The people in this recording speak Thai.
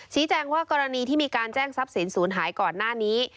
แจ้งว่ากรณีที่มีการแจ้งทรัพย์สินศูนย์หายก่อนหน้านี้